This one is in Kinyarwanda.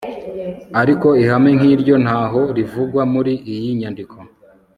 ariko ihame nk'iryo ntaho rivugwa muri iyi nyandiko